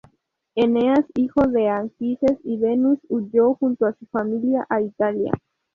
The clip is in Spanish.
Eneas, hijo de Anquises y Venus, huyó junto a su familia a Italia.